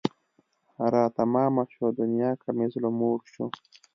را تمامه شوه دنیا که مې زړه موړ شو